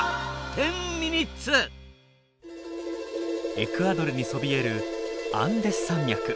エクアドルにそびえるアンデス山脈。